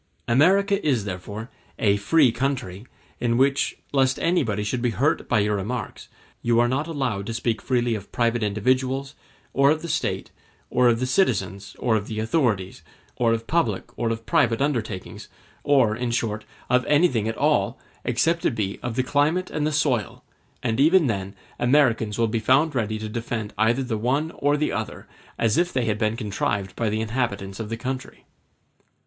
America is therefore a free country, in which, lest anybody should be hurt by your remarks, you are not allowed to speak freely of private individuals, or of the State, of the citizens or of the authorities, of public or of private undertakings, or, in short, of anything at all, except it be of the climate and the soil; and even then Americans will be found ready to defend either the one or the other, as if they had been contrived by the inhabitants of the country.